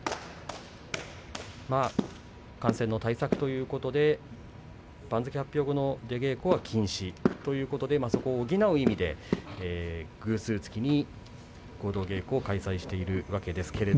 感染対策ということで番付発表後の出稽古は禁止ということでそこを補う意味で偶数月に合同稽古を開催しているわけですけれど。